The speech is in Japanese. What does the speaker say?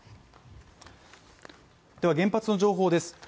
では原発の情報です。